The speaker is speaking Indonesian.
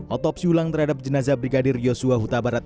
otopsi ulang terhadap jenazah brigadir yosua huta barat